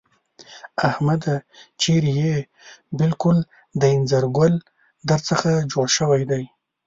احمده! چېرې يې؟ بالکل د اينځر ګل در څخه جوړ شوی دی.